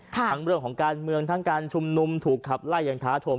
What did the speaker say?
ทั้งเรื่องของการเมืองทั้งการชุมนุมถูกขับไล่อย่างท้าถม